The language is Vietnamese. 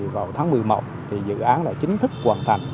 vào tháng một mươi một thì dự án đã chính thức hoàn thành